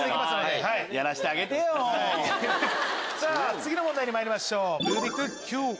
次の問題にまいりましょう。